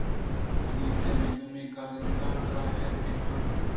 بہ گندے مئے دومی کارندہ ءِ کِرّا ایر بہ بیت